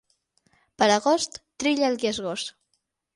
Per agost trilla el qui és gos.